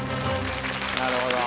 なるほど！